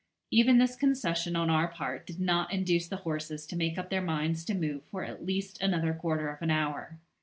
Even this concession on our part did not induce the horses to make up their minds to move for at least another quarter of an hour.